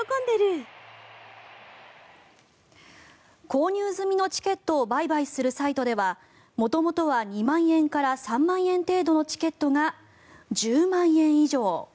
購入済みのチケットを売買するサイトでは元々は２万円から３万円程度のチケットが１０万円以上。